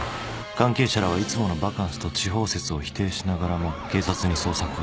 関係者らは『いつものバカンス』と痴ほう説を否定しながらも警察に捜索を依頼。